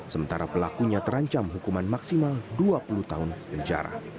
sementara pelakunya terancam hukuman maksimal dua puluh tahun penjara